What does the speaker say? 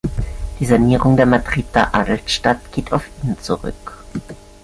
Die Sanierung der Madrider Altstadt geht auf ihn zurück.